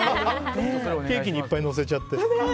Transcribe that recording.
ケーキにいっぱいのせちゃって。